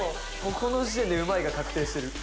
この時点で「うまい」が確定してる。